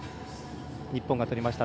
日本が取りました。